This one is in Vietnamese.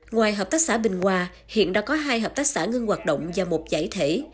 ngoài hợp tác xã bình hòa hiện đã có hai hợp tác xã ngưng hoạt động và một giải thể